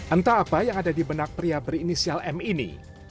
entah apa yang ada di benak pria berinisial m ini